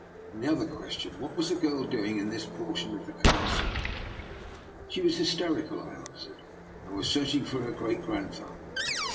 And one other question. What was the girl doing in this portion of the Castle? "" She was hysterical," I answered, " and was searching for her great grandfather.